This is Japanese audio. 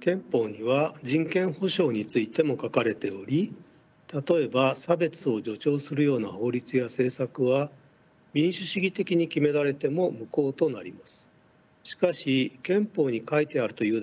憲法には人権保障についても書かれており例えば差別を助長するような法律や政策は民主主義的に決められても無効となります。